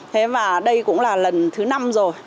thế mà đây cũng là lần thứ năm rồi